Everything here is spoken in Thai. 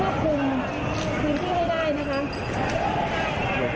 เพราะตอนนี้ก็ไม่มีเวลาให้เข้าไปที่นี่